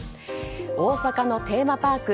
大阪のテーマパーク